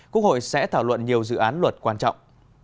quốc hội sẽ thảo luận nhiều dự án luật quan trọng